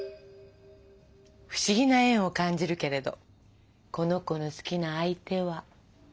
不思議な縁を感じるけれどこの子の好きな相手は。